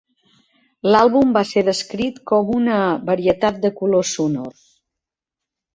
L'àlbum va ser descrit com una "varietat de colors sonors".